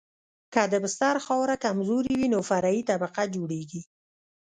که د بستر خاوره کمزورې وي نو فرعي طبقه جوړیږي